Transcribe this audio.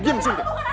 gavin lepasin gak